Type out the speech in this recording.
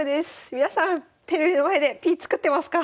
皆さんテレビの前でＰ作ってますか？